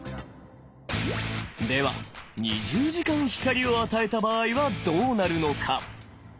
では２０時間光を与えた場合はどうなるのか。